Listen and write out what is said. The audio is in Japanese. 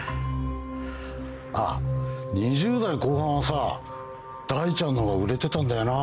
あっ２０代後半はさ大ちゃんの方が売れてたんだよな。